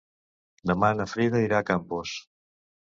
Demà na Frida irà a Campos.